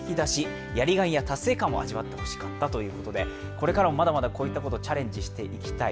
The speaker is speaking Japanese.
これからもまだまだこういったことチャレンジしていきたい